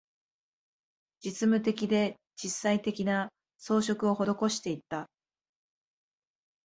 実務的で、実際的な、装飾を施していった